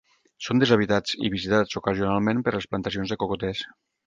Són deshabitats i visitats ocasionalment per les plantacions de cocoters.